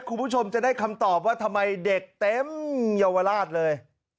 คุณผู้ชมจะได้คำตอบว่าทำไมเด็กเต็มเยาวราชเลย